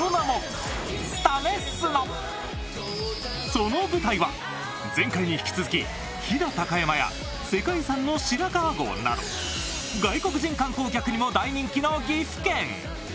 その舞台は前回に引き続き飛騨高山や世界遺産の白川郷など、外国人観光客にも大人気の岐阜県。